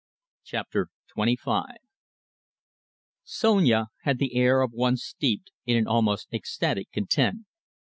CHAPTER XXV Sonia had the air of one steeped in an almost ecstatic content.